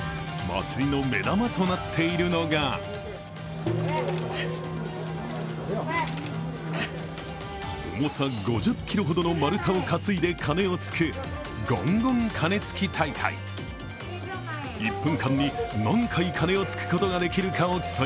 祭りの目玉となっているのが重さ５０ｋｇほどの丸太を担いで鐘をつくごんごん鐘つき大会。